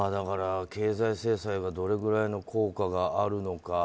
経済制裁がどれぐらいの効果があるのか。